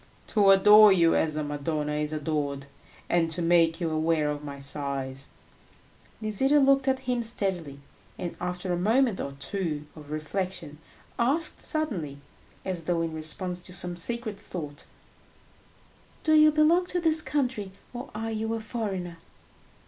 "To adore you as a Madonna is adored, and to make you aware of my sighs." Nisida looked at him steadily, and, after a moment or two of reflection, asked suddenly, as though in response to some secret thought, "Do you belong to this country, or are you a foreigner?"